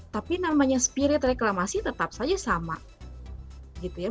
tapi namanya spirit reklamasi tetap saja sama